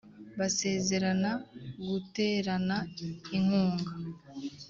basezerana guterana inkunga,